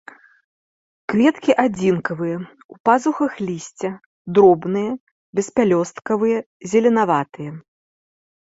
Кветкі адзінкавыя, у пазухах лісця, дробныя, беспялёсткавыя, зеленаватыя.